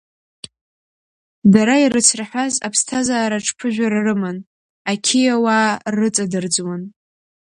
Дара ирыцраҳәаз аԥсҭазаараҿ ԥыжәара рыман, ақьиа уаа рыҵадырӡуан.